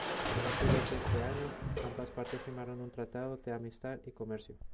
En octubre de ese año, ambas partes firmaron un tratado de amistad y comercio.